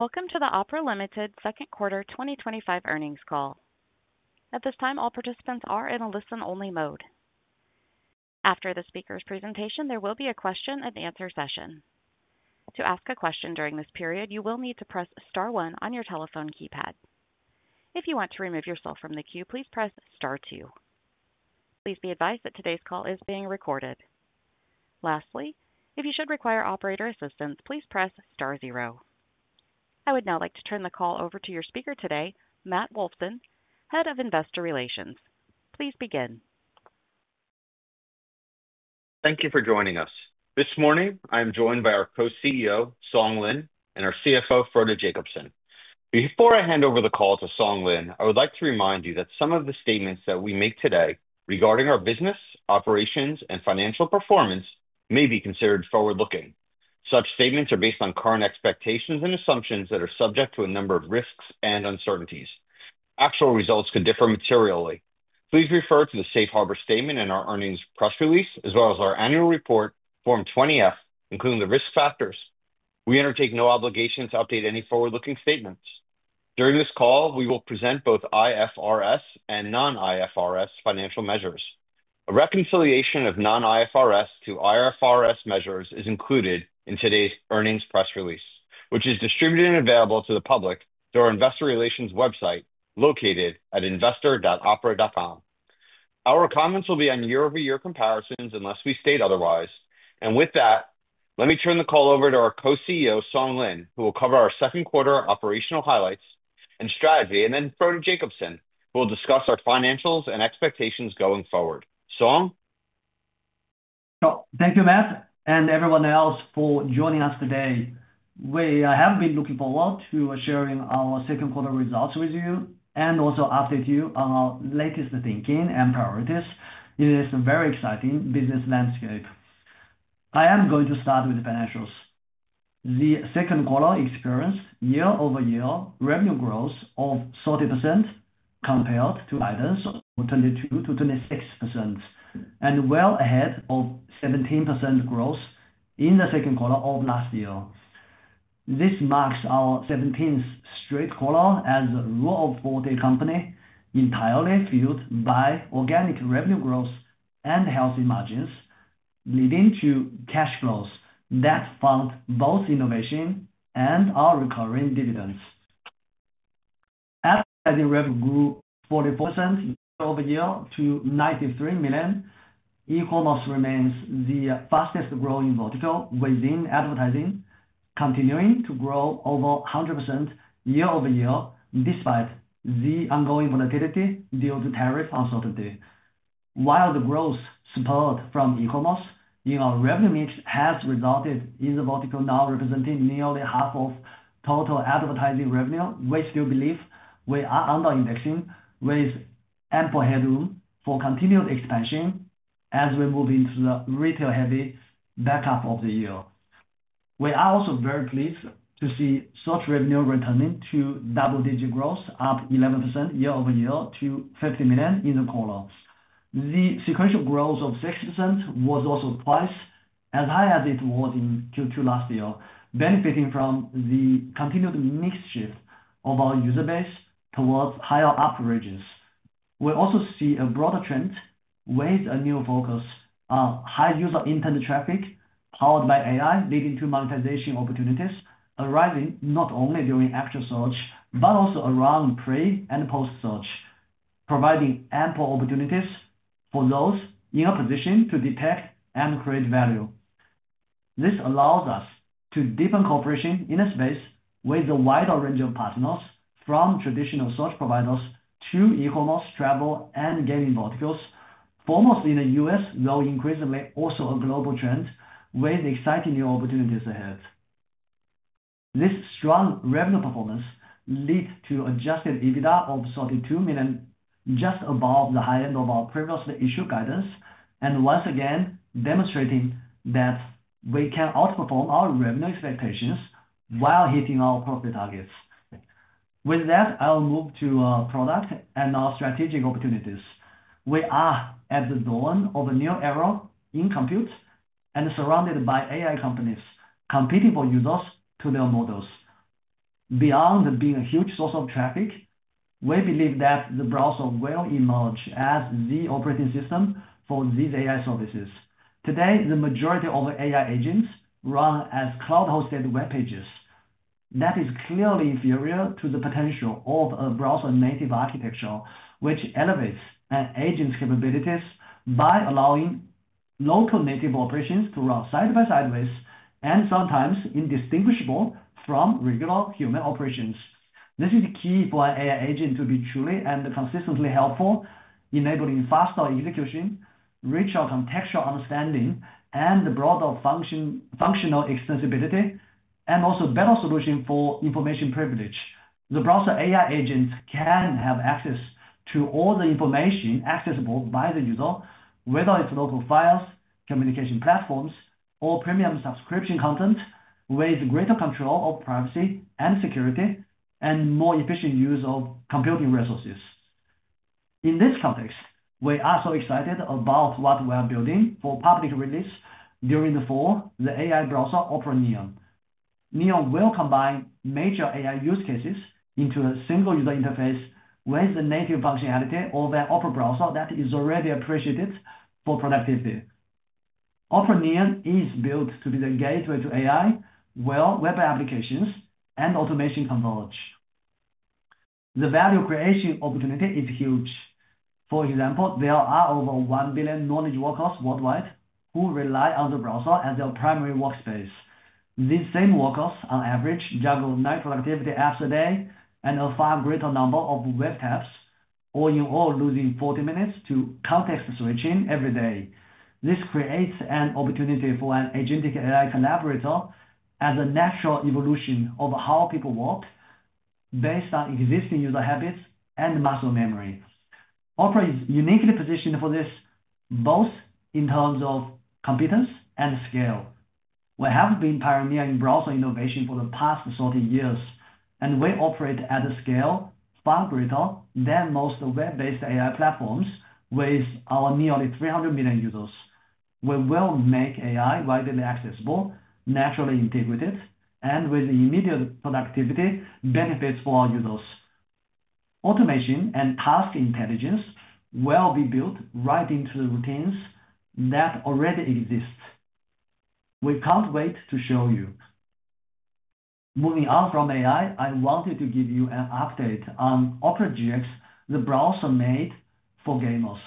Welcome to the Opera Limited Second Quarter 2025 Earnings Call. At this time, all participants are in a listen-only mode. After the speaker's presentation, there will be a question and answer session. To ask a question during this period, you will need to press star one on your telephone keypad. If you want to remove yourself from the queue, please press star two. Please be advised that today's call is being recorded. Lastly, if you should require operator assistance, please press star zero. I would now like to turn the call over to your speaker today, Matt Wolfson, Head of Investor Relations. Please begin. Thank you for joining us. This morning, I am joined by our Co-CEO, Song Lin, and our CFO, Frode Jacobsen. Before I hand over the call to Song Lin, I would like to remind you that some of the statements that we make today regarding our business, operations, and financial performance may be considered forward-looking. Such statements are based on current expectations and assumptions that are subject to a number of risks and uncertainties. Actual results could differ materially. Please refer to the Safe Harbor statement and our earnings press release, as well as our annual report, Form 20-F, including the risk factors. We undertake no obligation to update any forward-looking statements. During this call, we will present both IFRS and non-IFRS financial measures. A reconciliation of non-IFRS to IFRS measures is included in today's earnings press release, which is distributed and available to the public through our Investor Relations website, located at investor.opera.com. Our comments will be on year-over-year comparisons unless we state otherwise. With that, let me turn the call over to our Co-CEO, Song Lin, who will cover our second quarter operational highlights and strategy, and then Frode Jacobsen, who will discuss our financials and expectations going forward. Song? Thank you, Matt, and everyone else for joining us today. We have been looking forward to sharing our second quarter results with you and also update you on our latest thinking and priorities in this very exciting business landscape. I am going to start with the financials. The second quarter experienced year-over-year revenue growth of 40% compared to guidance of 22%-26%, and well ahead of 17% growth in the second quarter of last year. This marks our 17th straight quarter as a growth-forward company entirely fueled by organic revenue growth and healthy margins, leading to cash flows that fund both innovation and our recurring dividends. Ad revenue grew 40% year-over-year to $93 million. E-commerce remains the fastest growing vertical within advertising, continuing to grow over 100% year-over-year despite the ongoing volatility due to tariff uncertainty. While the growth support from e-commerce in our revenue mix has resulted in the vertical now representing nearly half of total advertising revenue, which we believe we are under-indexing with ample headroom for continued expansion as we move into the retail-heavy back half of the year. We are also very pleased to see search revenue returning to double-digit growth, up 11% year-over-year to $50 million in the quarter. The sequential growth of 60% was also twice as high as it was in Q2 last year, benefiting from the continued mix shift of our user base towards higher averages. We also see a broader trend with a new focus on high user intent traffic powered by AI, leading to monetization opportunities arising not only during actual search but also around pre and post-search, providing ample opportunities for those in a position to detect and create value. This allows us to deepen cooperation in a space with a wider range of partners, from traditional search providers to e-commerce, travel, and gaming verticals, foremost in the U.S., though increasingly also a global trend with exciting new opportunities ahead. This strong revenue performance leads to adjusted EBITDA of $42 million, just above the high end of our previously issued guidance, and once again demonstrating that we can outperform our revenue expectations while hitting our profit targets. With that, I'll move to our product and our strategic opportunities. We are at the dawn of a new era in compute and surrounded by AI companies competing for users to their models. Beyond being a huge source of traffic, we believe that the browser will emerge as the operating system for these AI services. Today, the majority of AI agents run as cloud-hosted web pages. That is clearly inferior to the potential of a browser-native architecture, which elevates an agent's capabilities by allowing local native operations to run side-by-side and sometimes indistinguishable from regular human operations. This is key for an AI agent to be truly and consistently helpful, enabling faster execution, richer contextual understanding, broader functional extensibility, and also a better solution for information privilege. The browser AI agent can have access to all the information accessible by the user, whether it's local files, communication platforms, or premium subscription content, with greater control of privacy and security and more efficient use of computing resources. In this context, we are so excited about what we are building for public release during the fall, the AI browser Opera Neon. Neon will combine major AI use cases into a single user interface with the native functionality of an Opera browser that is already appreciated for productivity. Opera Neon is built to be the gateway to AI, web applications, and automation converge. The value creation opportunity is huge. For example, there are over 1 billion knowledge workers worldwide who rely on the browser as their primary workspace. These same workers on average juggle nine productivity apps a day and a far greater number of web tabs, all in all losing 40 minutes to context switching every day. This creates an opportunity for an agentic AI collaborator as a natural evolution of how people work based on existing user habits and muscle memory. Opera is uniquely positioned for this, both in terms of competence and scale. We have been pioneering browser innovation for the past 30 years, and we operate at a scale far greater than most web-based AI platforms with our nearly 300 million users. We will make AI widely accessible, naturally integrated, and with immediate productivity benefits for our users. Automation and task intelligence will be built right into the routines that already exist. We can't wait to show you. Moving on from AI, I wanted to give you an update on Opera GX, the browser made for gamers.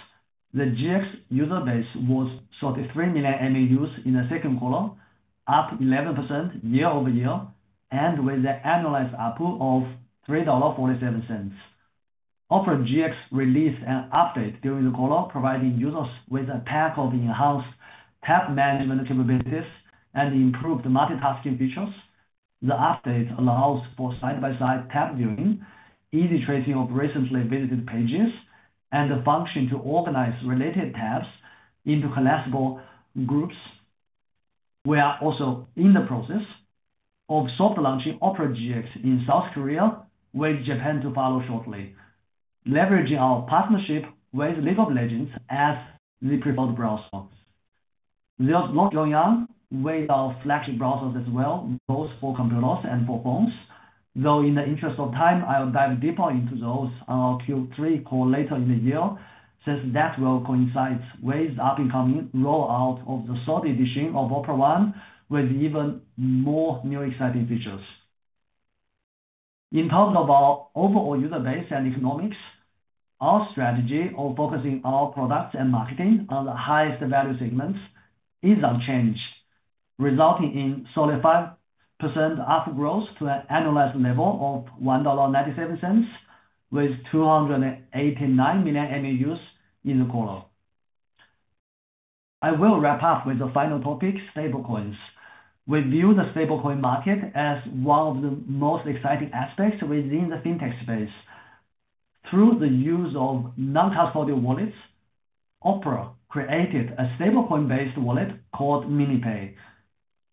The GX user base was 43 million MAUs in the second quarter, up 11% year-over-year, and with an annualized output of $3.47. Opera GX released an update during the quarter, providing users with a pack of in-house tab management capabilities and improved multitasking features. The update allows for side-by-side tab viewing, easy tracing of recently visited pages, and the function to organize related tabs into collectible groups. We are also in the process of soft launching Opera GX in South Korea, with Japan to follow shortly, leveraging our partnership with League of Legends as the keyboard browser. We are now going on with our flagship browsers as well, both for computers and for phones. In the interest of time, I'll dive deeper into those on our Q3 call later in the year, since that will coincide with the up-and-coming rollout of the third edition of Opera One, with even more new exciting features. In terms of our overall user base and economics, our strategy of focusing our products and marketing on the highest value segments is unchanged, resulting in a solid 5% ARPU growth to an annualized level of $1.97, with 289 million MAUs in the quarter. I will wrap up with the final topic, stablecoins. We view the stablecoin market as one of the most exciting aspects within the fintech space. Through the use of non-custodial wallets, Opera created a stablecoin-based wallet called MiniPay.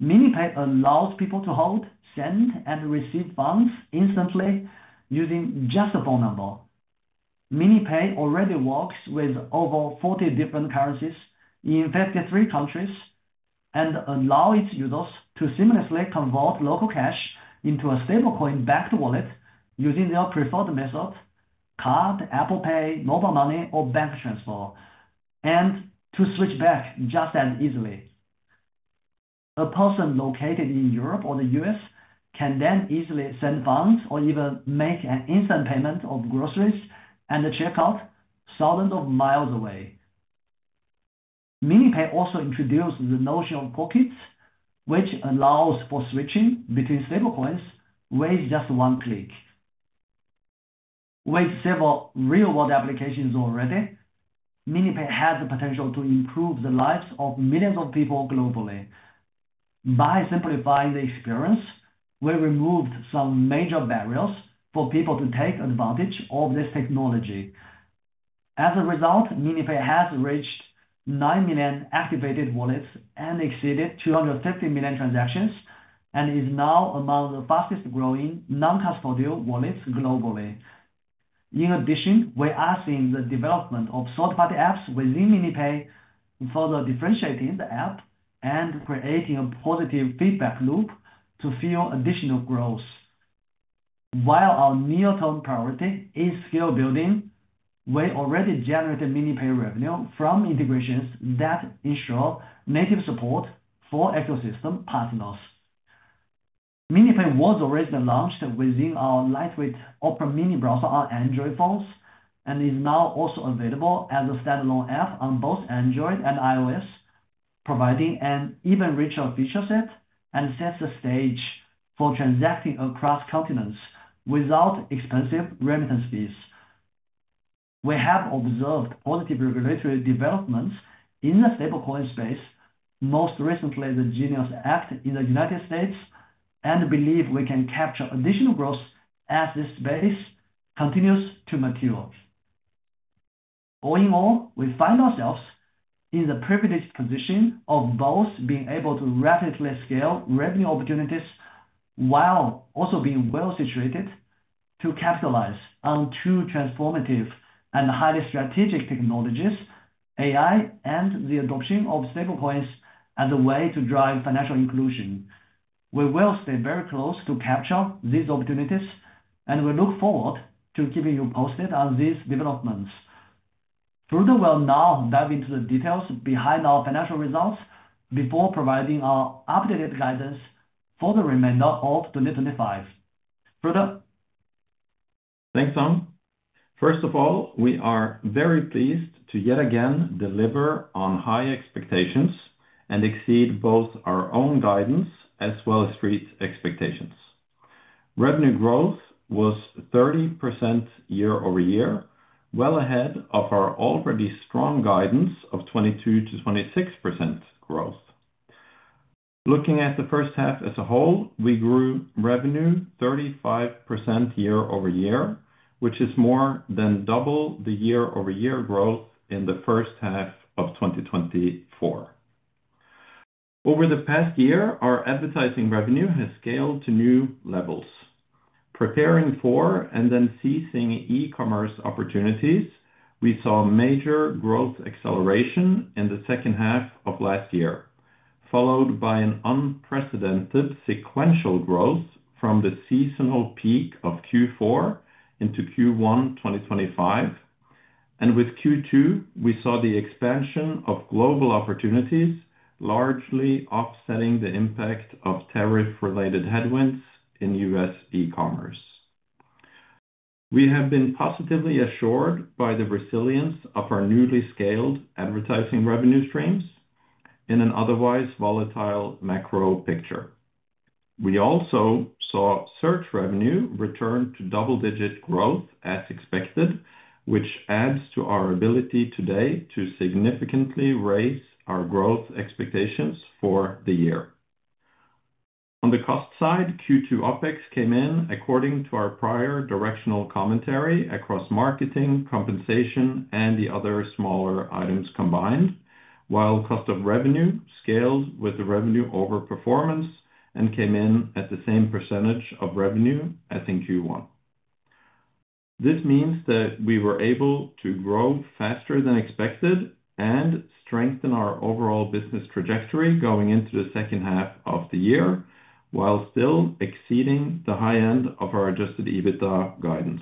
MiniPay allows people to hold, send, and receive funds instantly using just a phone number. MiniPay already works with over 40 different currencies in 53 countries and allows its users to seamlessly convert local cash into a stablecoin-backed wallet using their preferred method: card, Apple Pay, mobile money, or bank transfer, and to switch back just as easily. A person located in Europe or the U.S. can then easily send funds or even make an instant payment of groceries at a checkout thousands of miles away. MiniPay also introduced the notion of pockets, which allows for switching between stablecoins with just one click. With several real-world applications already, MiniPay has the potential to improve the lives of millions of people globally. By simplifying the experience, we removed some major barriers for people to take advantage of this technology. As a result, MiniPay has reached 9 million activated wallets and exceeded 250 million transactions and is now among the fastest growing non-custodial wallets globally. In addition, we are seeing the development of third-party apps within MiniPay, further differentiating the app and creating a positive feedback loop to fuel additional growth. While our near-term priority is skill-building, we already generated MiniPay revenue from integrations that ensure native support for ecosystem partners. MiniPay was originally launched within our lightweight Opera Mini browser on Android phones and is now also available as a standalone app on both Android and iOS, providing an even richer feature set and sets the stage for transacting across continents without expensive remittance fees. We have observed positive regulatory developments in the stablecoin space, most recently the U.S. GENIUS Act, and believe we can capture additional growth as this space continues to mature. All in all, we find ourselves in the privileged position of both being able to rapidly scale revenue opportunities while also being well situated to capitalize on two transformative and highly strategic technologies, AI, and the adoption of stablecoins as a way to drive financial inclusion. We will stay very close to capture these opportunities, and we look forward to keeping you posted on these developments. Frode now dive into the details behind our financial results before providing our updated guidance for the remainder of 2025. Frode? Thanks, Song. First of all, we are very pleased to yet again deliver on high expectations and exceed both our own guidance as well as FREED's expectations. Revenue growth was 30% year-over-year, well ahead of our already strong guidance of 22%-26% growth. Looking at the first half as a whole, we grew revenue 35% year-over-year, which is more than double the year-over-year growth in the first half of 2024. Over the past year, our advertising revenue has scaled to new levels. Preparing for and then seizing e-commerce opportunities, we saw major growth acceleration in the second half of last year, followed by unprecedented sequential growth from the seasonal peak of Q4 into Q1 2025. With Q2, we saw the expansion of global opportunities, largely offsetting the impact of tariff-related headwinds in U.S. e-commerce. We have been positively assured by the resilience of our newly scaled advertising revenue streams in an otherwise volatile macro picture. We also saw search revenue return to double-digit growth as expected, which adds to our ability today to significantly raise our growth expectations for the year. On the cost side, Q2 OpEx came in according to our prior directional commentary across marketing, compensation, and the other smaller items combined, while cost of revenue scaled with the revenue over performance and came in at the same percentage of revenue as in Q1. This means that we were able to grow faster than expected and strengthen our overall business trajectory going into the second half of the year, while still exceeding the high end of our adjusted EBITDA guidance.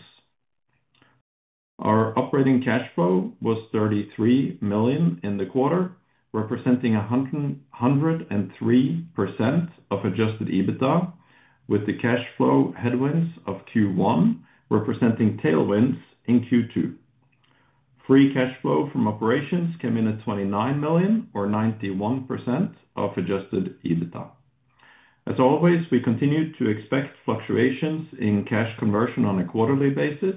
Our operating cash flow was $33 million in the quarter, representing 103% of adjusted EBITDA, with the cash flow headwinds of Q1 representing tailwinds in Q2. Free cash flow from operations came in at $29 million, or 91% of adjusted EBITDA. As always, we continue to expect fluctuations in cash conversion on a quarterly basis,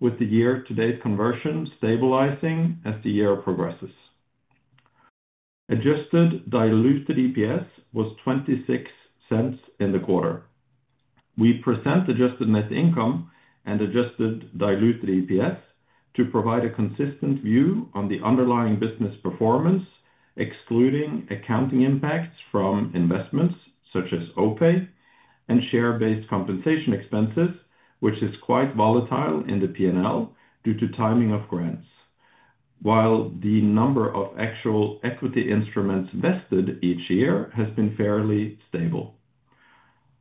with the year-to-date conversion stabilizing as the year progresses. Adjusted diluted EPS was $0.26 in the quarter. We present adjusted net income and adjusted diluted EPS to provide a consistent view on the underlying business performance, excluding accounting impacts from investments such as OPay and share-based compensation expenses, which is quite volatile in the P&L due to timing of grants, while the number of actual equity instruments vested each year has been fairly stable.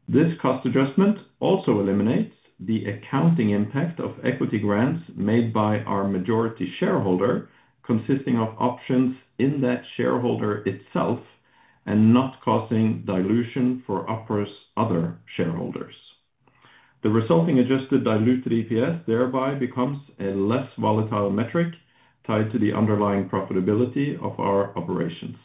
This cost adjustment also eliminates the accounting impact of equity grants made by our majority shareholder, consisting of options in that shareholder itself and not causing dilution for Opera's other shareholders. The resulting adjusted diluted EPS thereby becomes a less volatile metric tied to the underlying profitability of our operations.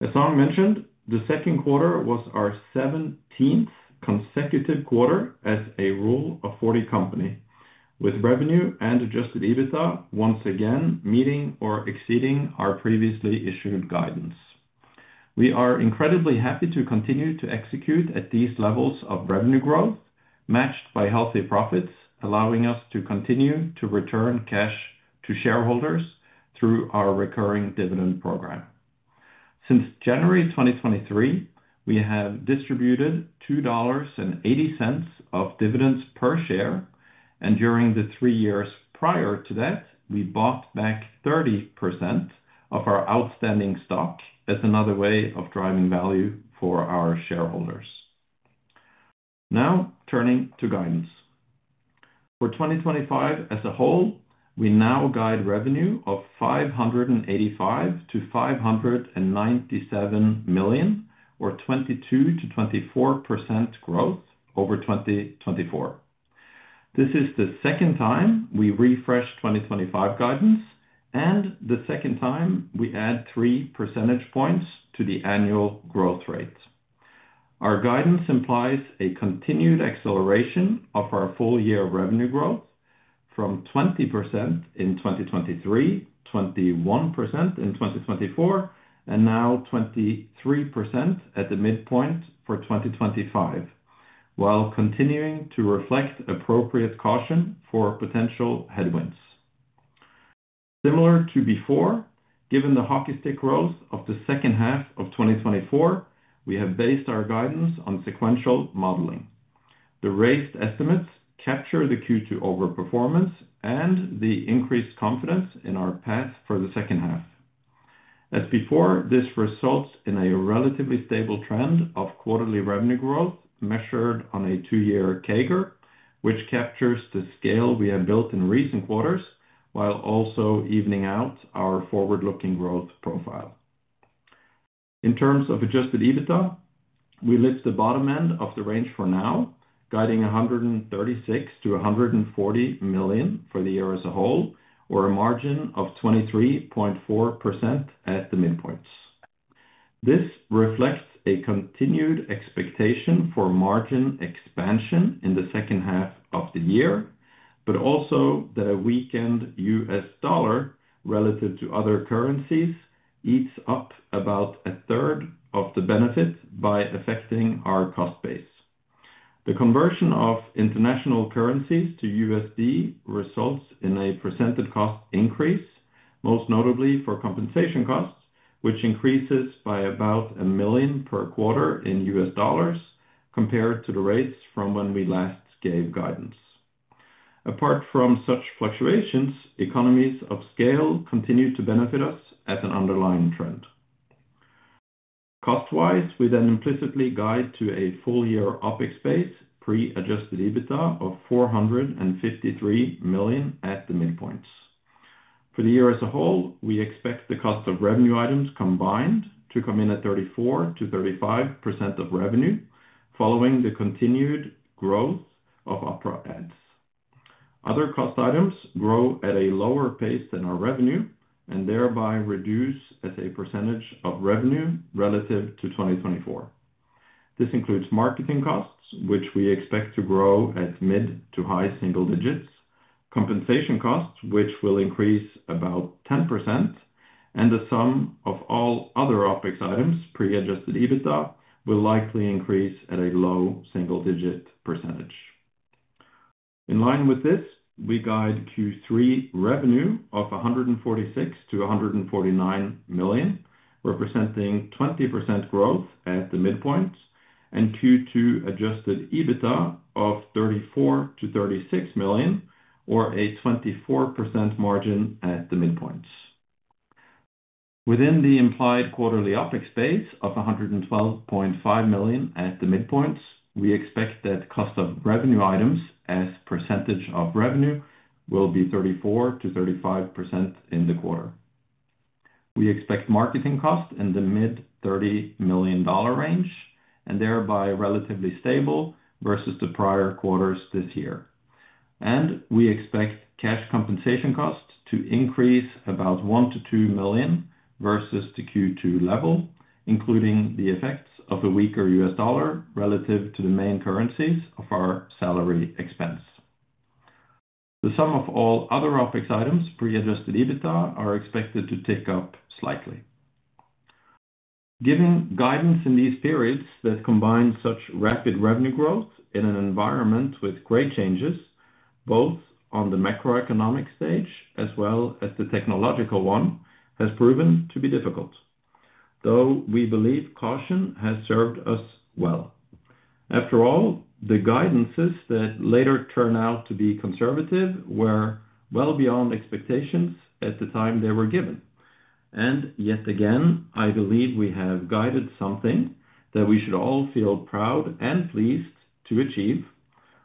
As Song mentioned, the second quarter was our 17th consecutive quarter as a Rule of 40 company, with revenue and adjusted EBITDA once again meeting or exceeding our previously issued guidance. We are incredibly happy to continue to execute at these levels of revenue growth, matched by healthy profits, allowing us to continue to return cash to shareholders through our recurring dividend program. Since January 2023, we have distributed $2.80 of dividends per share, and during the three years prior to that, we bought back 30% of our outstanding stock as another way of driving value for our shareholders. Now, turning to guidance. For 2025 as a whole, we now guide revenue of $585 million-$597 million, or 22%-24% growth over 2024. This is the second time we refresh 2025 guidance, and the second time we add three percentage points to the annual growth rate. Our guidance implies a continued acceleration of our full-year revenue growth from 20% in 2023, 21% in 2024, and now 23% at the midpoint for 2025, while continuing to reflect appropriate caution for potential headwinds. Similar to before, given the hockey stick growth of the second half of 2024, we have based our guidance on sequential modeling. The raised estimates capture the Q2 overperformance and the increased confidence in our path for the second half. As before, this results in a relatively stable trend of quarterly revenue growth measured on a two-year CAGR, which captures the scale we have built in recent quarters while also evening out our forward-looking growth profile. In terms of adjusted EBITDA, we lift the bottom end of the range for now, guiding $136 million-$140 million for the year as a whole, or a margin of 23.4% at the midpoints. This reflects a continued expectation for margin expansion in the second half of the year, but also that a weakened U.S. dollar relative to other currencies eats up about 1/3 of the benefit by affecting our cost base. The conversion of international currencies to USD results in a percentage cost increase, most notably for compensation costs, which increases by about $1 million per quarter in U.S. dollars compared to the rates from when we last gave guidance. Apart from such fluctuations, economies of scale continue to benefit us as an underlying trend. Cost-wise, we then implicitly guide to a full-year OpEx base pre-adjusted EBITDA of $453 million at the midpoints. For the year as a whole, we expect the cost of revenue items combined to come in at 34% to 35% of revenue following the continued growth of Opera Ads. Other cost items grow at a lower pace than our revenue and thereby reduce as a percentage of revenue relative to 2024. This includes marketing costs, which we expect to grow at mid to high single digits, compensation costs, which will increase about 10%, and the sum of all other OpEx items pre-adjusted EBITDA will likely increase at a low single-digit percentage. In line with this, we guide Q3 revenue of $146 million-$149 million, representing 20% growth at the midpoints, and Q2 adjusted EBITDA of $34 million-$36 million, or a 24% margin at the midpoints. Within the implied quarterly OpEx base of $112.5 million at the midpoints, we expect that cost of revenue items as percentage of revenue will be 34%-35% in the quarter. We expect marketing costs in the mid $30 million range, and thereby relatively stable versus the prior quarters this year. We expect cash compensation costs to increase about $1 million-$2 million versus the Q2 level, including the effects of a weaker U.S. dollar relative to the main currencies of our salary expense. The sum of all other OpEx items pre-adjusted EBITDA are expected to tick up slightly. Giving guidance in these periods that combine such rapid revenue growth in an environment with great changes, both on the macroeconomic stage as well as the technological one, has proven to be difficult. Though we believe caution has served us well. After all, the guidances that later turn out to be conservative were well beyond expectations at the time they were given. Yet again, I believe we have guided something that we should all feel proud and pleased to achieve,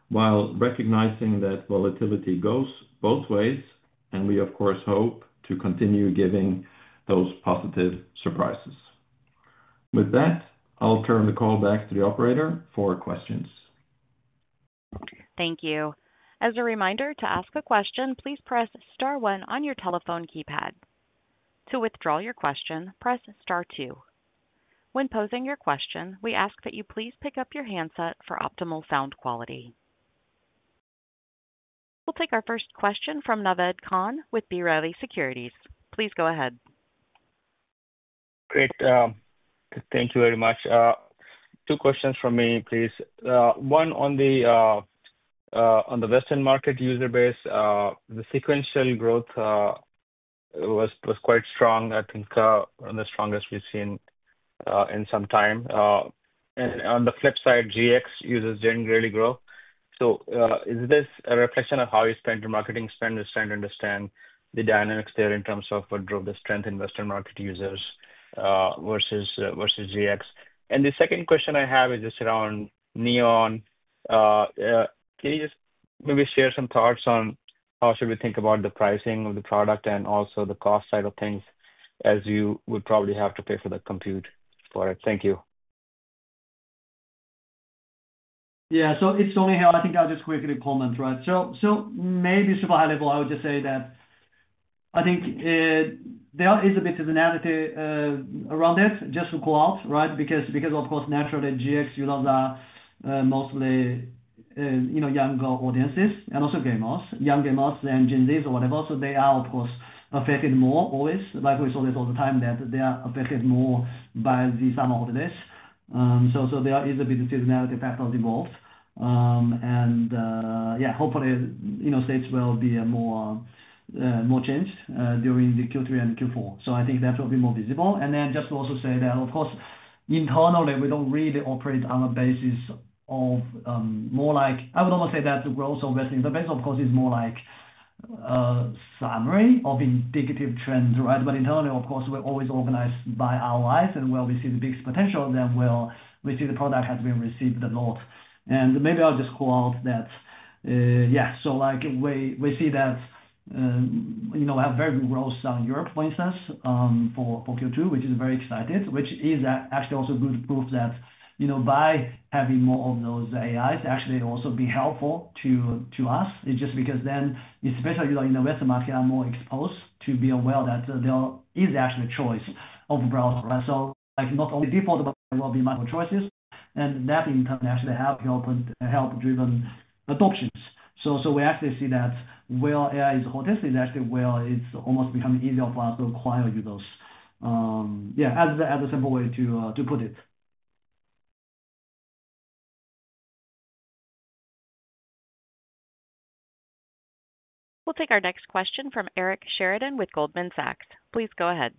while recognizing that volatility goes both ways, and we, of course, hope to continue giving those positive surprises. With that, I'll turn the call back to the operator for questions. Thank you. As a reminder, to ask a question, please press star one on your telephone keypad. To withdraw your question, press star two. When posing your question, we ask that you please pick up your handset for optimal sound quality. We'll take our first question from Naved Khan with B. Riley Securities. Please go ahead. Thank you very much. Two questions from me, please. One on the Western market user base. The sequential growth was quite strong, I think the strongest we've seen in some time. On the flip side, GX users generally growth. Is this a reflection of how you spend your marketing spend? I'm trying to understand the dynamics there in terms of what drove the strength in Western market users versus GX. The second question I have is just around Neon. Can you just maybe share some thoughts on how should we think about the pricing of the product and also the cost side of things as you would probably have to pay for the compute for it? Thank you. Yeah, so I'll just quickly comment, right? Maybe super high level, I would just say that I think there is a bit of an additive around that just to call out, right? Because, of course, naturally GX users are mostly, you know, younger audiences and also gamers, young gamers and Gen Zs or whatever. They are, of course, affected more always. Like we saw this all the time that they are affected more by the summer holidays. There is a bit of a fact that evolved. Hopefully, you know, states will be more changed during Q3 and Q4. I think that will be more visible. Just to also say that, of course, internally we don't really operate on a basis of more like, I would almost say that the growth of Western investment, of course, is more like a summary of indicative trends, right? Internally, of course, we're always organized by our eyes and where we see the biggest potential and then where we see the product has been received a lot. Maybe I'll just call out that, yeah, so like we see that, you know, we have very good growth in Europe, for instance, for Q2, which is very exciting, which is actually also good proof that, you know, by having more of those AIs, it's actually also been helpful to us. It's just because then, especially, you know, in the Western market, I'm more exposed to be aware that there is actually a choice of a browser, right? Not only default, but there will be multiple choices. That in turn actually helps drive adoptions. We actually see that where AI is hottest, is actually where it's almost becoming easier for us to acquire users. Yeah, as a simple way to put it. We'll take our next question from Eric Sheridan with Goldman Sachs. Please go ahead.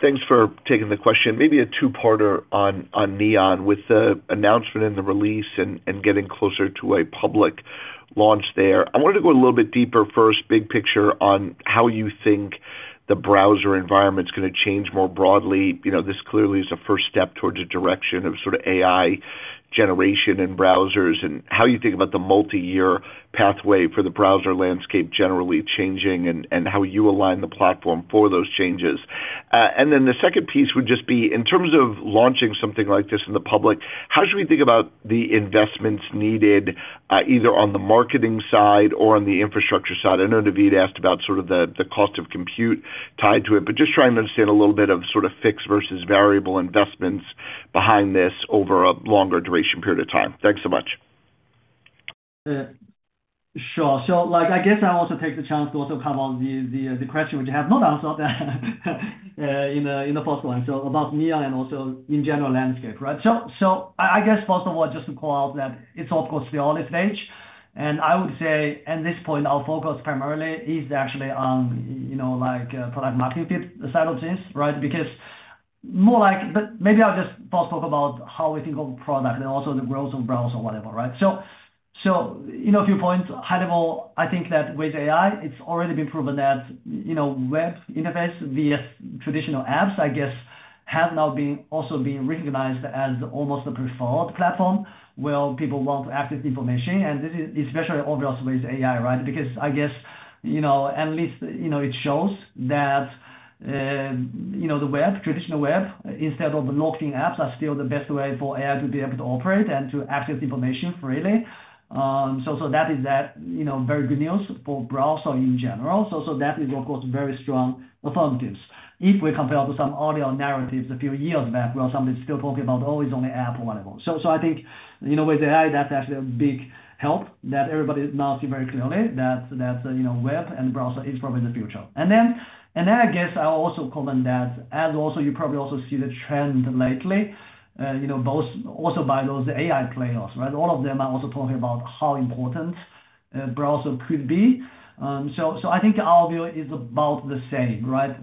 Thanks for taking the question. Maybe a two-parter on Neon with the announcement and the release and getting closer to a public launch there. I wanted to go a little bit deeper first, big picture, on how you think the browser environment's going to change more broadly. This clearly is a first step towards a direction of sort of AI generation in browsers and how you think about the multi-year pathway for the browser landscape generally changing and how you align the platform for those changes. The second piece would just be, in terms of launching something like this in the public, how should we think about the investments needed either on the marketing side or on the infrastructure side? I know Naved asked about sort of the cost of compute tied to it, just trying to understand a little bit of sort of fixed versus variable investments behind this over a longer duration period of time. Thanks so much. Sure. I guess I also take the chance to also cover the question which I have not answered in the first one. About Neon and also in general landscape, right? First of all, just to call out that it's not, of course, the early stage. I would say at this point, our focus primarily is actually on, you know, like product marketing fit strategies, right? Maybe I'll just first talk about how we think of a product and also the growth of browser, whatever, right? To your point, high level, I think that with AI, it's already been proven that, you know, web interface via traditional apps, I guess, have now also been recognized as almost a preferred platform where people want to access information. This is especially obvious with AI, right? At least, you know, it shows that, you know, the web, traditional web, instead of locked-in apps, are still the best way for AI to be able to operate and to access information freely. That is very good news for browser in general. That is, of course, very strong affirmatives. If we compare to some earlier narratives a few years back where somebody's still talking about, oh, it's only app or whatever. I think, you know, with AI, that's actually a big help that everybody now sees very clearly that, you know, web and browser is probably in the future. I guess I'll also comment that, as also you probably also see the trend lately, you know, both also by those AI players, right? All of them are also talking about how important a browser could be. I think our view is about the same, right?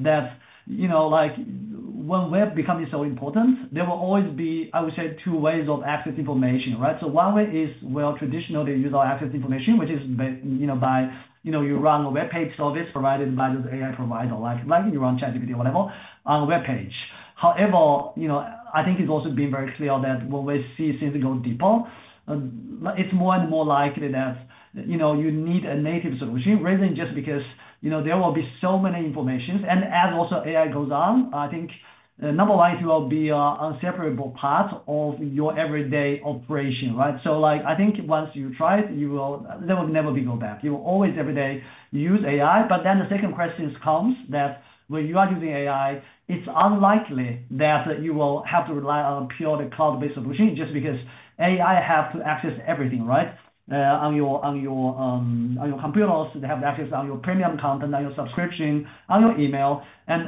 When web becomes so important, there will always be, I would say, two ways of accessing information, right? One way is where traditionally users access information, which is, you know, by, you know, you run a web page service provided by the AI provider, like you run ChatGPT or whatever, on a web page. However, I think it's also been very clear that when we see things go deeper, it's more and more likely that, you know, you need a native solution rather than just because, you know, there will be so many informations. As also AI goes on, I think number one, it will be an unseparable part of your everyday operation, right? I think once you try it, you will, there will never be no back. You will always every day use AI. The second question comes that when you are using AI, it's unlikely that you will have to rely on a purely cloud-based solution just because AI has to access everything, right? On your computers, they have to access all your premium content, all your subscription, all your email.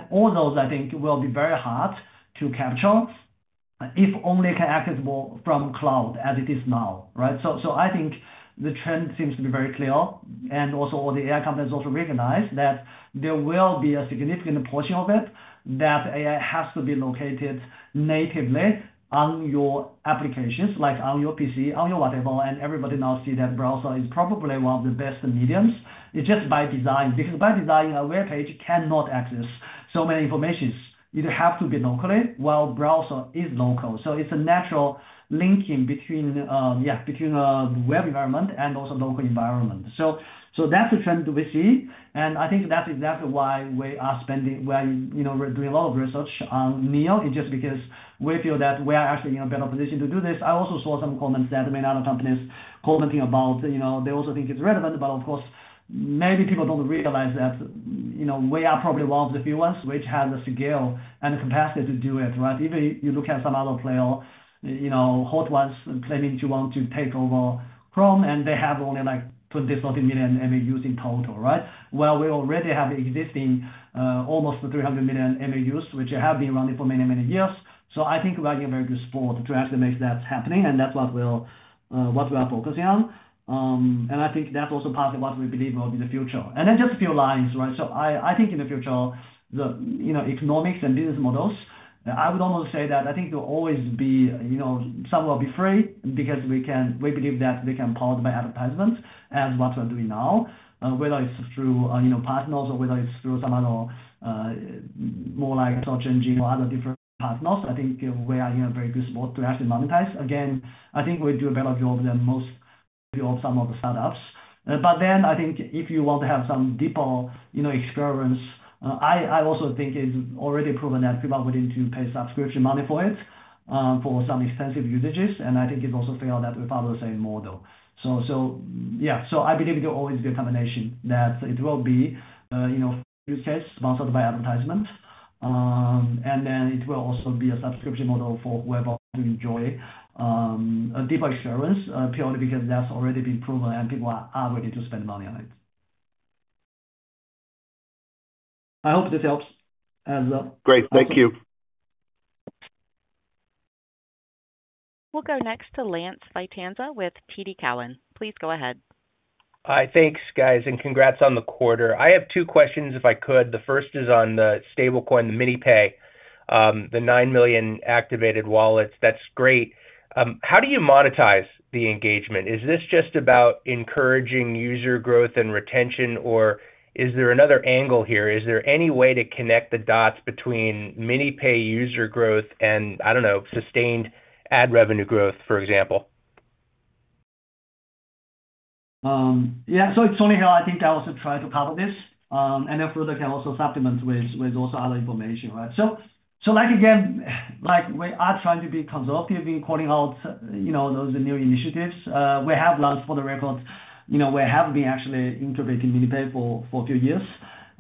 All those, I think, will be very hard to capture if only it can be accessible from cloud as it is now, right? I think the trend seems to be very clear. Also, all the AI companies recognize that there will be a significant portion of it that AI has to be located natively on your applications, like on your PC, on your whatever. Everybody now sees that browser is probably one of the best mediums. It's just by design. Because by design, a web page cannot access so many informations. It has to be locally while the browser is local. It's a natural linking between a web environment and also a local environment. That's the trend we see. I think that's exactly why we are spending, why we're doing a lot of research on Neon. It's just because we feel that we are actually in a better position to do this. I also saw some comments that many other companies are commenting about, they also think it's relevant. Of course, maybe people don't realize that we are probably one of the few ones which have the scale and the capacity to do it, right? Even if you look at some other player, you know, [hot ones] claiming to want to take over Chrome, and they have only like 20 million-30 million MAUs in total, right? We already have existing almost 300 million MAUs, which have been running for many, many years. I think we're in a very good spot to actually make that happen. That's what we're focusing on. I think that's also part of what we believe will be the future. Just a few lines, right? I think in the future, the economics and business models, I would almost say that I think there will always be, you know, some will be free because we can, we believe that we can power them by advertisements, as what we're doing now, whether it's through partners or whether it's through some other, more like search engines or other different partners. I think we are in a very good spot to actually monetize. Again, I think we do a better job than most, you know, some of the startups. I think if you want to have some deeper, you know, experience, I also think it's already proven that people are willing to pay subscription money for it for some extensive usages. I think it's also clear that we're probably saying more though. I believe it will always be a combination that it will be, you know, use case sponsored by advertisements, and then it will also be a subscription model for whoever enjoys a deeper experience, purely because that's already been proven and people are ready to spend money on it. I hope this helps. Great, thank you. We'll go next to Lance Vitanza with TD Cowen. Please go ahead. Hi, thanks guys, and congrats on the quarter. I have two questions if I could. The first is on the stablecoin, the MiniPay, the 9 million activated wallets. That's great. How do you monetize the engagement? Is this just about encouraging user growth and retention, or is there another angle here? Is there any way to connect the dots between MiniPay user growth and, I don't know, sustained ad revenue growth, for example? Yeah, so Sonny here, I think they also tried to cover this. Further, can also supplement with other information, right? Again, we are trying to be conservative in calling out those new initiatives. We have learned for the record, we have been actually incubating MiniPay for a few years.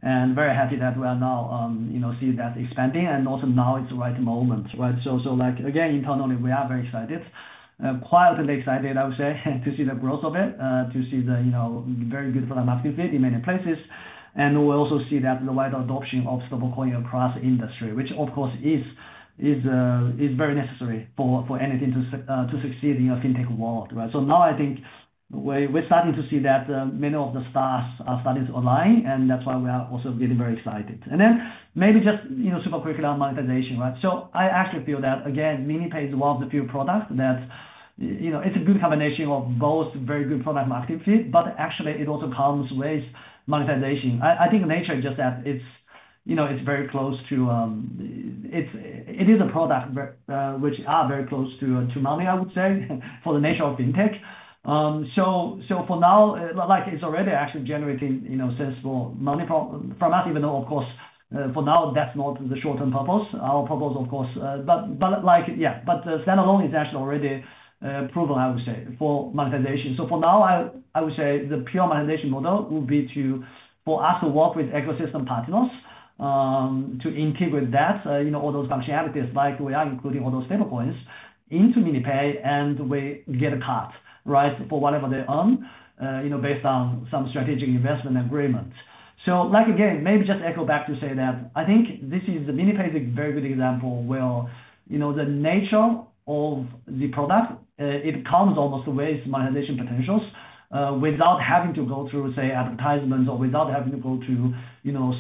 I'm very happy that we are now seeing that expanding and also now it's the right moment, right? Again, internally, we are very excited. Quiet and excited, I would say, to see the growth of it, to see the very good product market fit in many places. We also see the wider adoption of stablecoin across the industry, which of course is very necessary for anything to succeed in your fintech world, right? I think we're starting to see that many of the stars are starting to align, which is why we are also getting very excited. Maybe just, you know, super quickly on monetization, right? I actually feel that again, MiniPay is one of the few products that is a good combination of both very good product market fit, but actually it also comes with monetization. I think the nature is just that it's very close to, it is a product which is very close to money, I would say, for the nature of fintech. For now, it's already actually generating sensible money for us, even though of course for now that's not the short-term purpose. Our purpose, of course, but yeah, standalone is actually already proven, I would say, for monetization. For now, I would say the pure monetization model would be for us to work with ecosystem partners to integrate that, all those functionalities like we are, including all those stablecoins, into MiniPay, and we get a cut for whatever they earn, based on some strategic investment agreement. Again, maybe just echo back to say that I think MiniPay is a very good example where the nature of the product comes almost with monetization potentials without having to go through, say, advertisements or without having to go through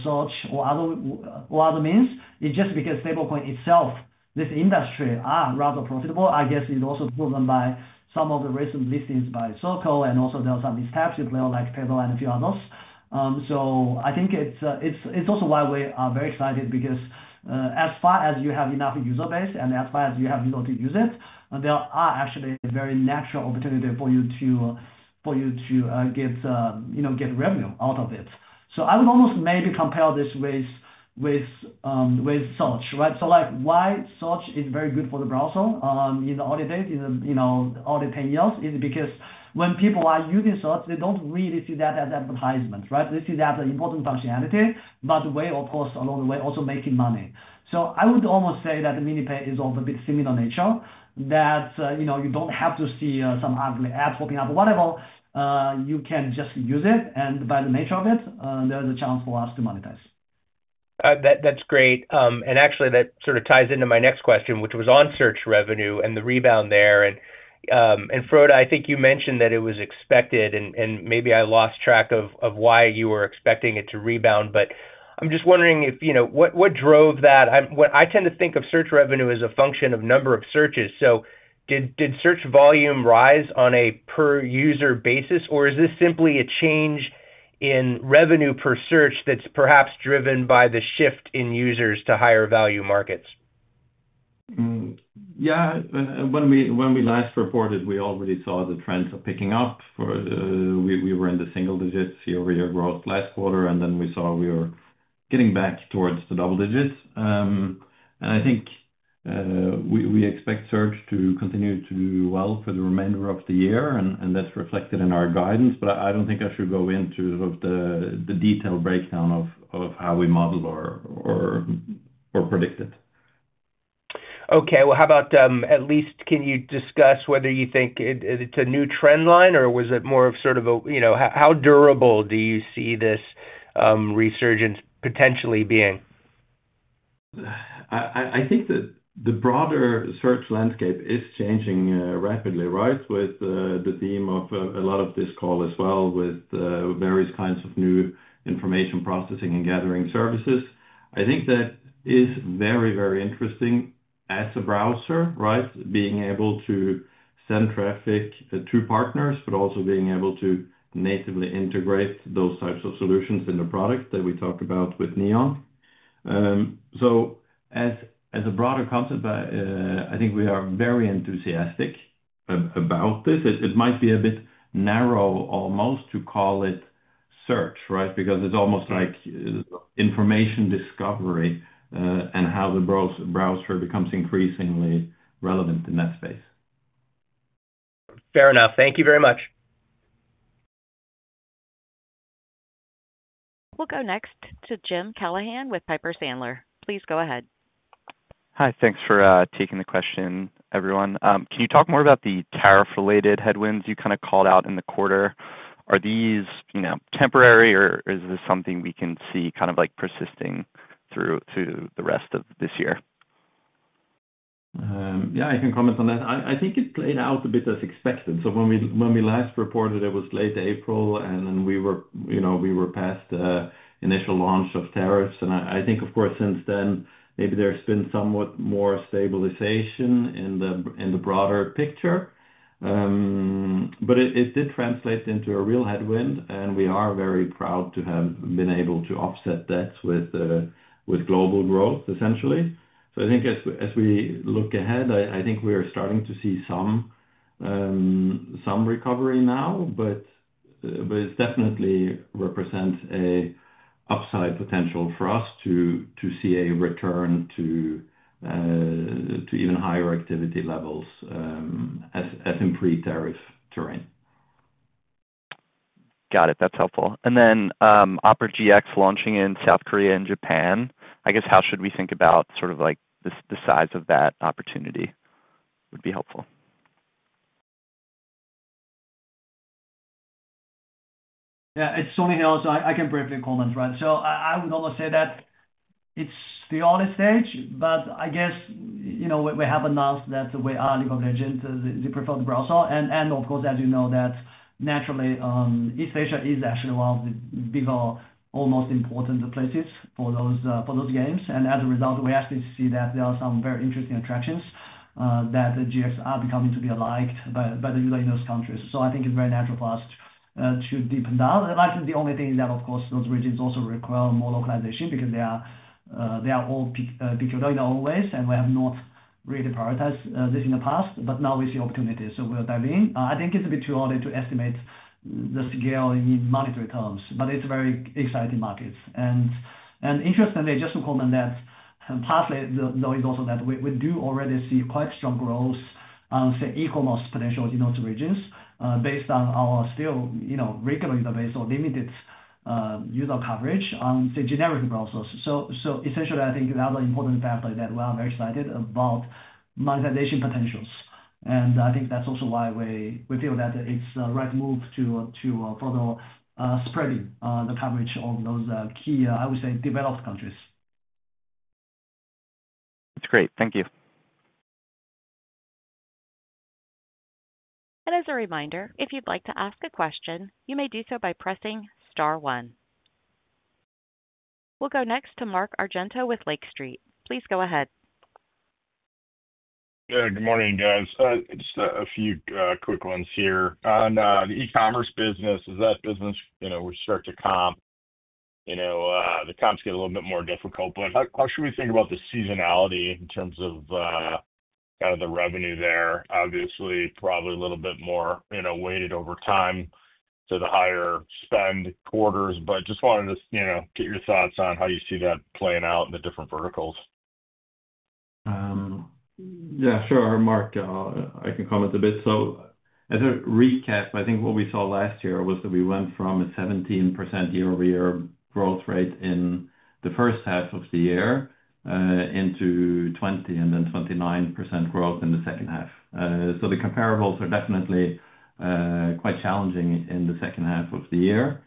search or other means. It's just because stablecoin itself, this industry is rather profitable. I guess it's also driven by some of the recent listings by Circle and also there are some of these types of players like Peddle and a few others. I think it's also why we are very excited because as far as you have enough user base and as far as you have, you know, to use it, there are actually very natural opportunities for you to get, you know, get revenue out of it. I would almost maybe compare this with search, right? Like why search is very good for the browser in the early days, in the early 10 years, is because when people are using search, they don't really see that as advertisements, right? They see that as an important functionality, but we, of course, along the way also making money. I would almost say that MiniPay is of a bit similar nature that, you know, you don't have to see some ugly ads popping up or whatever. You can just use it, and by the nature of it, there is a chance for us to monetize. That's great. Actually, that sort of ties into my next question, which was on search revenue and the rebound there. Frode, I think you mentioned that it was expected, and maybe I lost track of why you were expecting it to rebound. I'm just wondering, what drove that? I tend to think of search revenue as a function of number of searches. Did search volume rise on a per-user basis, or is this simply a change in revenue per search that's perhaps driven by the shift in users to higher value markets? When we last reported, we already saw the trends are picking up. We were in the single digits year-over-year growth last quarter, and we saw we were getting back towards the double digits. I think we expect search to continue to do well for the remainder of the year, and that's reflected in our guidance. I don't think I should go into the detailed breakdown of how we model or predict it. Okay, can you discuss whether you think it's a new trend line, or was it more of sort of a, you know, how durable do you see this resurgence potentially being? I think that the broader search landscape is changing rapidly, with the theme of a lot of this call as well, with various kinds of new information processing and gathering services. I think that is very, very interesting as a browser, being able to send traffic to partners, but also being able to natively integrate those types of solutions in the product that we talked about with Neon. As a broader concept, I think we are very enthusiastic about this. It might be a bit narrow almost to call it search, because it's almost like information discovery and how the browser becomes increasingly relevant in that space. Fair enough. Thank you very much. We'll go next to Jim Callahan with Piper Sandler. Please go ahead. Hi, thanks for taking the question, everyone. Can you talk more about the tariff-related headwinds you called out in the quarter? Are these temporary, or is this something we can see persisting through the rest of this year? Yeah, I can comment on that. I think it played out a bit as expected. When we last reported, it was late April, and we were past the initial launch of tariffs. I think, of course, since then, maybe there's been somewhat more stabilization in the broader picture. It did translate into a real headwind, and we are very proud to have been able to offset that with global growth, essentially. As we look ahead, I think we are starting to see some recovery now, but it definitely represents an upside potential for us to see a return to even higher activity levels as in pre-tariff terrain. Got it. That's helpful. Opera GX launching in South Korea and Japan, I guess how should we think about sort of like the size of that opportunity would be helpful. Yeah, it's Sonny here, so I can briefly comment, right? I would almost say that it's the early stage, but I guess, you know, we have announced that we are leveraging the preferred browser. Of course, as you know, that naturally, East Asia is actually one of the bigger, almost important places for those games. As a result, we actually see that there are some very interesting attractions that the GX are becoming to be liked by the users in those countries. I think it's very natural for us to deepen down. The only thing is that, of course, those regions also require more localization because they are all peculiar in their own ways, and we have not really prioritized this in the past. Now we see opportunities, so we'll dive in. I think it's a bit too early to estimate the scale in monetary terms, but it's a very exciting market. Interestingly, just to comment that partly though is also that we do already see quite strong growth on, say, e-commerce potentials in those regions based on our still, you know, regular user base or limited user coverage on, say, generic browsers. Essentially, I think another important factor that we are very excited about is monetization potentials. I think that's also why we feel that it's the right move to further spread the coverage of those key, I would say, developed countries. That's great. Thank you. As a reminder, if you'd like to ask a question, you may do so by pressing star one. We'll go next to Mark Argento with Lake Street. Please go ahead. Good morning, guys. Just a few quick ones here. On the e-commerce business, is that business, you know, we start to comp, the comps get a little bit more difficult. How should we think about the seasonality in terms of the revenue there? Obviously, probably a little bit more weighted over time to the higher spend quarters, just wanted to get your thoughts on how you see that playing out in the different verticals. Yeah, sure. Mark, I can comment a bit. As a recap, I think what we saw last year was that we went from a 17% year-over-year growth rate in the first half of the year into 20% and then 29% growth in the second half. The comparables are definitely quite challenging in the second half of the year.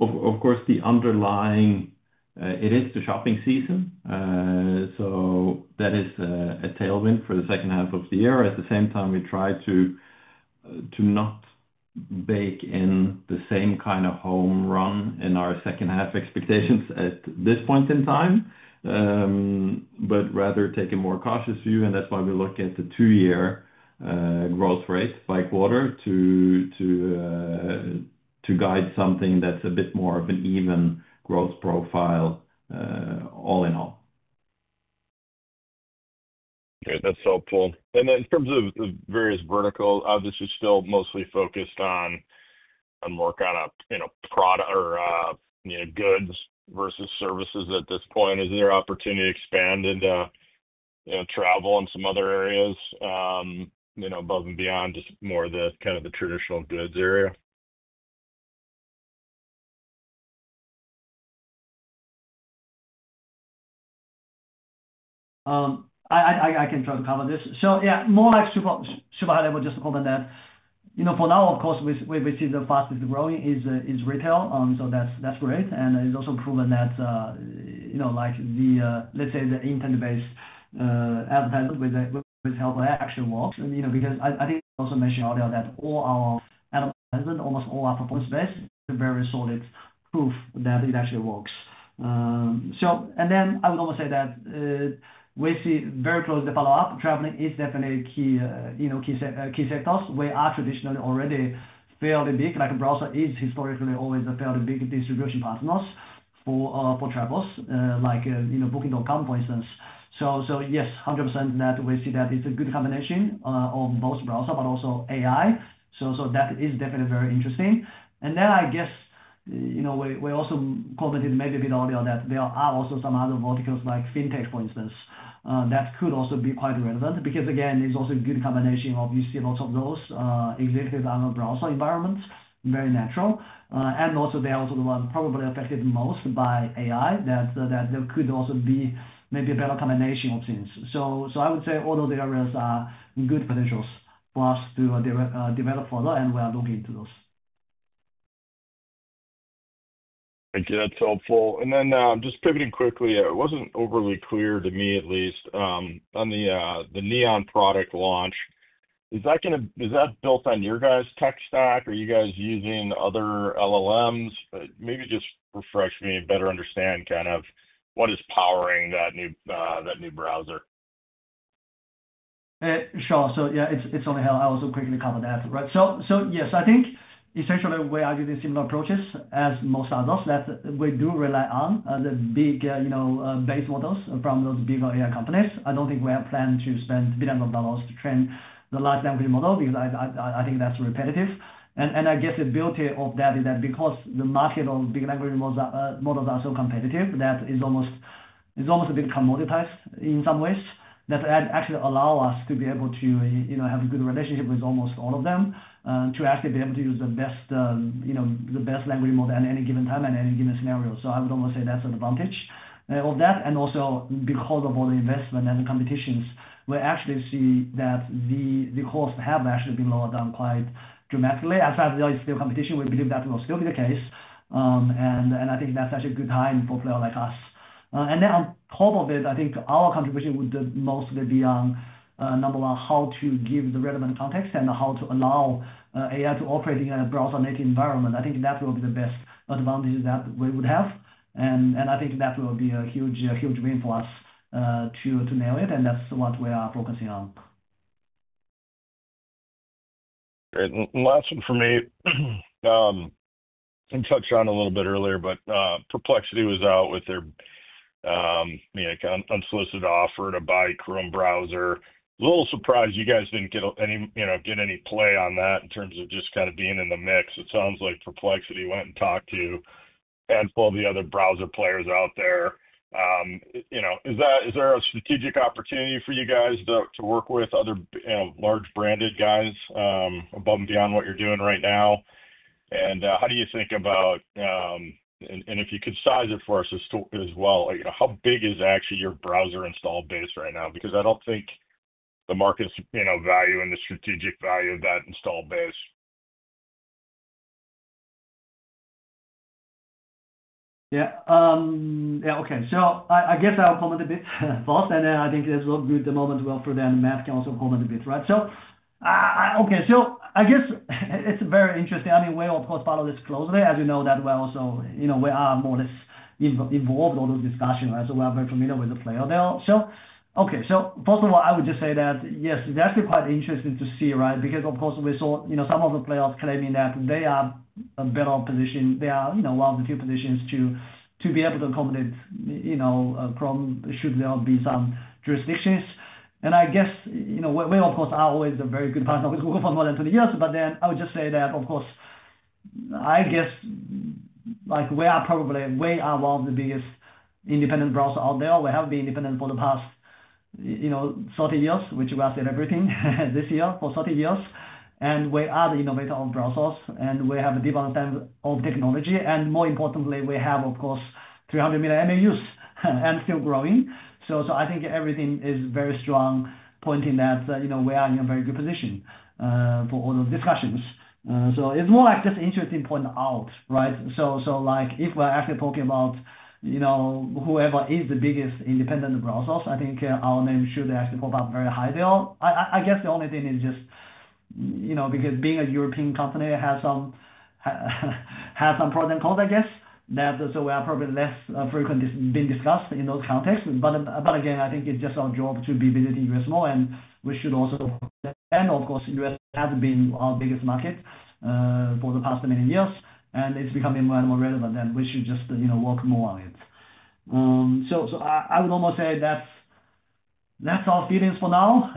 Of course, the underlying, it is the shopping season. That is a tailwind for the second half of the year. At the same time, we try to not bake in the same kind of home run in our second half expectations at this point in time, but rather take a more cautious view. That is why we look at the two-year growth rate by quarter to guide something that's a bit more of an even growth profile all in all. Okay, that's helpful. In terms of the various verticals, obviously still mostly focused on more kind of, you know, product or, you know, goods versus services at this point. Is there opportunity to expand into, you know, travel and some other areas, you know, above and beyond just more of the kind of the traditional goods area? I can try to cover this. More or less, super high level, just to comment that, you know, for now, of course, we've received the fastest growth in retail. That's great, and it's also proven that, you know, the intent-based advertisement with help actually works. I did also mention earlier that all our advertisement, almost all our performance-based, is a very solid proof that it actually works. I would almost say that we see very closely the follow-up. Traveling is definitely a key sector. We are traditionally already fairly big. A browser is historically always a fairly big distribution partner for travelers, like Booking.com, for instance. Yes, 100% we see that it's a good combination on both browsers, but also AI. That is definitely very interesting. I guess we also commented maybe a bit earlier that there are also some other verticals like fintech, for instance, that could also be quite relevant because again, it's also a good combination. You see lots of those exist in a browser environment, very natural. They're also the ones probably affected most by AI, which could also be maybe a better combination of things. I would say all those areas are good potentials for us to develop further, and we are looking into those. Thank you. That's helpful. Just pivoting quickly, it wasn't overly clear to me at least on the Neon product launch. Is that going to, is that built on your guys' tech stack or are you guys using other LLMs? Maybe just refresh me to better understand kind of what is powering that new, that new browser. Sure. It's Sonny here. I'll also quickly cover that, right? Yes, I think essentially we are using similar approaches as most others that we do rely on the big, you know, base models from those bigger AI companies. I don't think we have planned to spend $1 billion to train the large language model because I think that's repetitive. The beauty of that is that because the market on big language models is so competitive, it's almost a bit commoditized in some ways that actually allow us to be able to have a good relationship with almost all of them to actually be able to use the best language model at any given time and any given scenario. I would almost say that's an advantage of that. Also, because of all the investment and the competitions, we actually see that the costs have actually been lowered down quite dramatically. As far as there is still competition, we believe that will still be the case. I think that's such a good time for a player like us. On top of it, I think our contribution would mostly be on number one, how to give the relevant context and how to allow AI to operate in a browser-native environment. I think that will be the best advantage that we would have. I think that will be a huge, huge win for us to nail it. That's what we are focusing on. Great. Last one from me. We touched on it a little bit earlier, but Perplexity was out with their, yeah, kind of unsolicited offer to buy Chrome browser. A little surprised you guys didn't get any, you know, get any play on that in terms of just kind of being in the mix. It sounds like Perplexity went and talked to a handful of the other browser players out there. Is there a strategic opportunity for you guys to work with other, you know, large branded guys above and beyond what you're doing right now? How do you think about, and if you could size it for us as well, like, you know, how big is actually your browser install base right now? I don't think the market's, you know, valuing the strategic value of that install base. Okay. I guess I'll comment a bit first. I think this will be the moment as well for them and Matt to also comment a bit, right? I guess it's very interesting. We'll, of course, follow this closely. As you know, we are more or less involved in all those discussions, right? We are very familiar with the player there. First of all, I would just say that, yes, it's actually quite interesting to see, right? Because we saw some of the players claiming that they are in a better position. They are one of the few positions to be able to accommodate Chrome should there be some jurisdictions. We, of course, are always a very good partner with Google for more than 20 years. I would just say that we are probably one of the biggest independent browsers out there. We have been independent for the past 30 years, which we are celebrating this year for 30 years. We are the innovator of browsers, and we have a deep understanding of technology. More importantly, we have 300 million MAUs and still growing. I think everything is very strong, pointing that we are in a very good position for all those discussions. It's more like just an interesting point out, right? If we're actually talking about whoever is the biggest independent browsers, I think our name should actually pop up very high there. The only thing is just, you know, because being a European company has some pros and cons, I guess, so we are probably less frequently being discussed in those contexts. Again, I think it's just our job to be able to be reasonable. We should also, and of course, the U.S. has been our biggest market for the past many years, and it's becoming more and more relevant that we should just work more on it. I would almost say that's our feelings for now.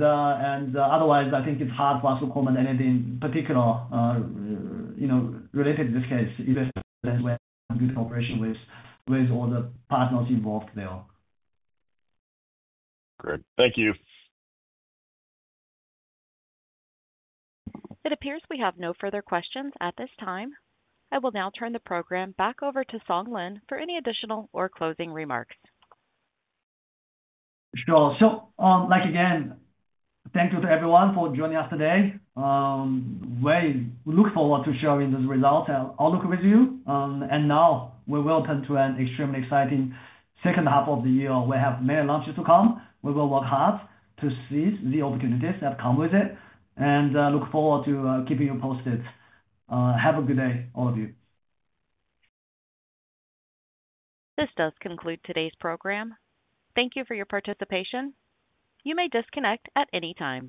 Otherwise, I think it's hard for us to comment anything particular related in this case. That's where a good cooperation with all the partners involved there. Great. Thank you. It appears we have no further questions at this time. I will now turn the program back over to Song Lin for any additional or closing remarks. Thank you to everyone for joining us today. We look forward to sharing those results and outlook with you. Now we will turn to an extremely exciting second half of the year. We have many launches to come. We will work hard to seize the opportunities that come with it. I look forward to keeping you posted. Have a good day, all of you. This does conclude today's program. Thank you for your participation. You may disconnect at any time.